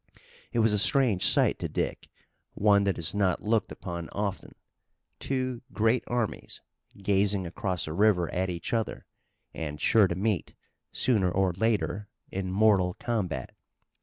It was a strange sight to Dick, one that is not looked upon often, two great armies gazing across a river at each other, and, sure to meet, sooner or later, in mortal combat.